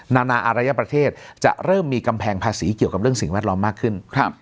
นานาอารยประเทศจะเริ่มมีกำแพงภาษีเกี่ยวกับเรื่องสิ่งแวดล้อมมากขึ้น